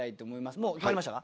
もう決まりましたか？